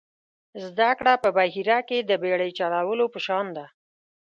زده کړه په بحیره کې د بېړۍ چلولو په شان ده.